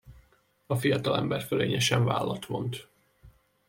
A fiatalember fölényesen vállat vont.